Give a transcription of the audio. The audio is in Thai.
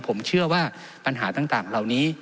ผมเชื่อว่าปัญหาต่างเหล่านี้